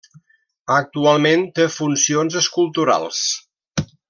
Actualment té funcions esculturals.